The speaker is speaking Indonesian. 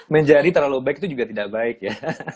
menjadi terlalu baik itu juga tidak baik ya